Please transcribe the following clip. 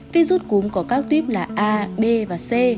vi rút cúm có các tuyếp là a b và c